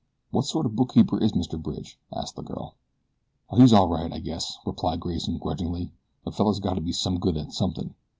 "What sort of bookkeeper is Mr. Bridge?" asked the girl. "Oh, he's all right I guess," replied Grayson grudgingly. "A feller's got to be some good at something.